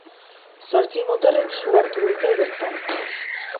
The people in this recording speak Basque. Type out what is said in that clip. Zortzi motorrek su hartu dute bertan.